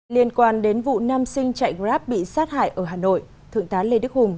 liên quan đến vụ nam sinh chạy grab bị sát hại ở hà nội thượng tá lê đức hùng